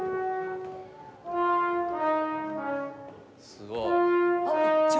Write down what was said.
すごい！